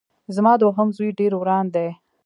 زما دوهم زوی ډېر وران دی